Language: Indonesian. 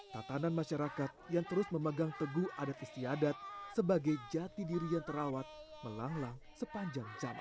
tatanan masyarakat yang terus memegang teguh adat istiadat sebagai jati diri yang terawat melanglang sepanjang zaman